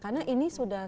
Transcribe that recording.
karena ini sudah